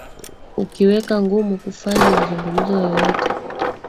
ukiweka ngumu kufanya mazungumzo yoyote